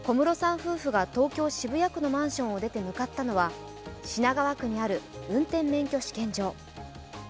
夫婦が東京・渋谷区のマンションを出て向かったのは、品川区にある運転免許試験場。